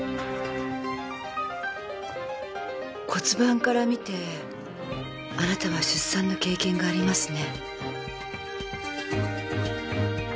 骨盤から見てあなたは出産の経験がありますね。